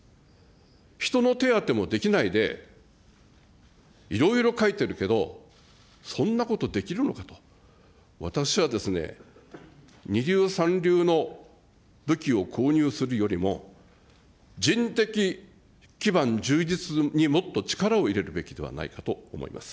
人の手当てもできないで、いろいろ書いてるけど、そんなことできるのかと、私はですね、二流三流の武器を購入するよりも、人的基盤充実にもっと力を入れるべきではないかと思います。